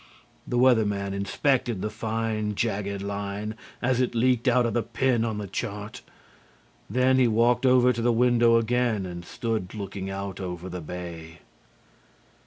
The Weather Man inspected the fine, jagged line as it leaked out of the pen on the chart. Then he walked over to the window again and stood looking out over the bay.